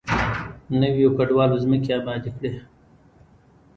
نویو کډوالو ځمکې ابادې کړې.